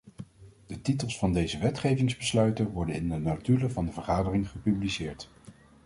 De titels van deze wetgevingsbesluiten worden in de notulen van de vergadering gepubliceerd.